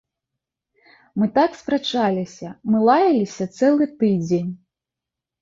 Мы так спрачаліся, мы лаяліся цэлы тыдзень.